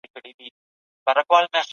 طارق